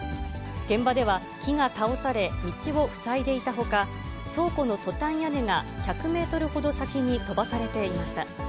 現場では木が倒され、道を塞いでいたほか、倉庫のトタン屋根が１００メートルほど先に飛ばされていました。